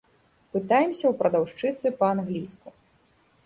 Пытаемся ў прадаўшчыцы па-англійску.